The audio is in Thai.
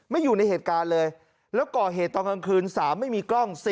อยู่ในเหตุการณ์เลยแล้วก่อเหตุตอนกลางคืน๓ไม่มีกล้อง